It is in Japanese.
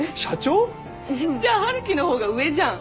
じゃあ春樹の方が上じゃん。